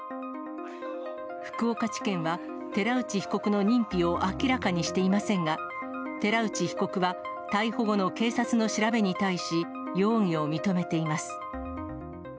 福岡地検は、寺内被告の認否を明らかにしていませんが、寺内被告は逮捕後の警察の調べに対し、容疑を認めています。